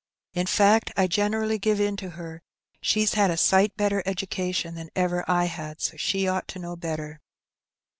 In fact, I generally give in to her; she's had a sight better education than ever I had, so she ought to know better."